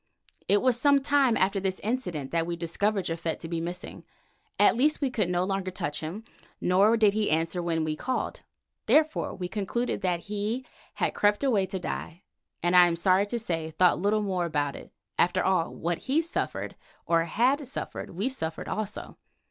It was some time after this incident that we discovered Japhet to be missing; at least we could no longer touch him, nor did he answer when we called. Therefore, we concluded that he had crept away to die and, I am sorry to say, thought little more about it for, after all, what he suffered, or had suffered, we suffered also.